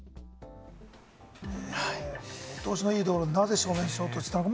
見通しのいい道路でなぜ正面衝突したのか？